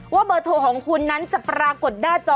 เบอร์โทรของคุณนั้นจะปรากฏหน้าจอ